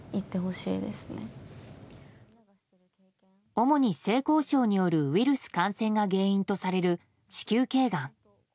主に性交渉によるウイルス感染が原因とされる子宮頸がん。